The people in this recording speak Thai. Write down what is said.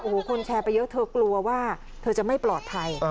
โอ้โหคนแชร์ไปเยอะเธอกลัวว่าเธอจะไม่ปลอดภัย